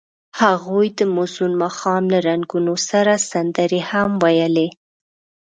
هغوی د موزون ماښام له رنګونو سره سندرې هم ویلې.